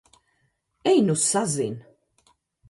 Ej nu sazin!